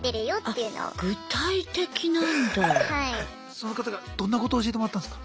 その方からどんなこと教えてもらったんすか？